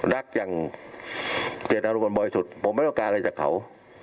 รักอย่างเกียรติธรรมบนบ่อยสุดผมไม่ต้องการอะไรจากเขา